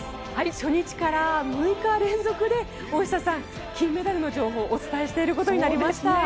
初日から６日連続で、大下さん金メダルの情報をお伝えしていることになりました。